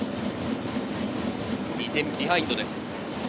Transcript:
２点ビハインドです。